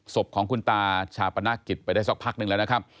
ศพของคุณตาชาปนกิจไปได้สักพักหนึ่งแล้วนะครับ